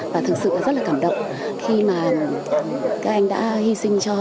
và thực sự rất là cảm động khi mà các anh đã hy sinh cho